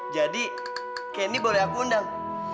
jadi candy boleh aku undang